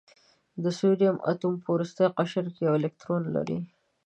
د سوډیم اتوم په وروستي قشر کې یو الکترون لري.